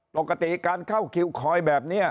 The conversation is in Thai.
ปกติการเข้าคิวคอยแบบนี้